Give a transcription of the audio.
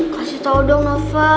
kasih tau dong nova